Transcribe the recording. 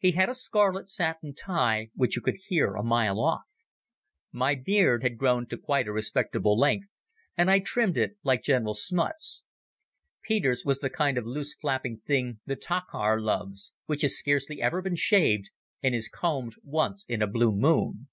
He had a scarlet satin tie which you could hear a mile off. My beard had grown to quite a respectable length, and I trimmed it like General Smuts'. Peter's was the kind of loose flapping thing the taakhaar loves, which has scarcely ever been shaved, and is combed once in a blue moon.